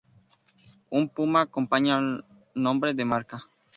Un puma acompaña al nombre de marca.